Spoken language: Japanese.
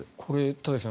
田崎さん